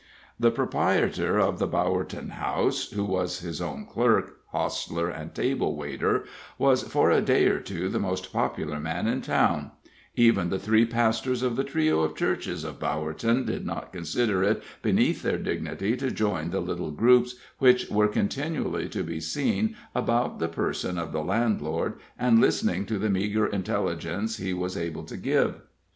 The proprietor of the Bowerton House, who was his own clerk, hostler, and table waiter, was for a day or two the most popular man in town; even the three pastors of the trio of churches of Bowerton did not consider it beneath their dignity to join the little groups which were continually to be seen about the person of the landlord, and listening to the meagre intelligence he was able to give.